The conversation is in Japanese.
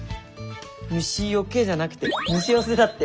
「虫よけ」じゃなくて「虫よせ」だって。